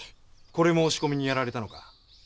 これも押し込みにやられたのか？